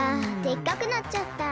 でっかくなっちゃった。